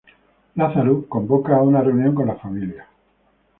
Lazarus convoca a una reunión con las Familias.